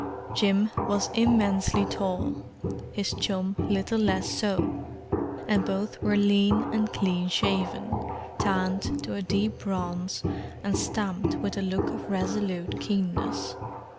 Jim was immensely tall; his chum little less so; and both were lean and clean shaven, tanned to a deep bronze, and stamped with a look of resolute keenness.